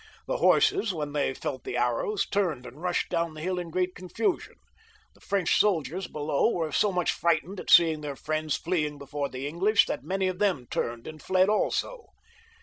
The horses, when they felt the arrows, turned and rushed down the hill in great confusion. The French soldiers below were so much Mghtened at seeing their Mends fleeing before the English, that many of them turned and [fled also.